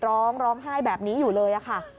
ร้องไห้แบบนี้อยู่เลยค่ะ